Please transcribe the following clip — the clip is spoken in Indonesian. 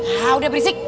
hah udah berisik